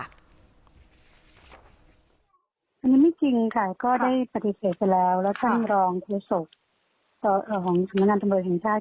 อันนี้ไม่จริงค่ะก็ได้ปฏิเสธไปแล้วแล้วท่านรองครัวศพของสมนตร์ธรรมบริเวณแห่งชาติ